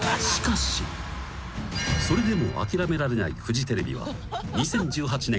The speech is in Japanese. ［それでも諦められないフジテレビは２０１８年